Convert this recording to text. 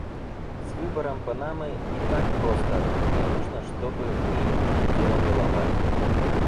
С выбором панамы не так просто. Мне нужно, чтобы в ней не потела голова.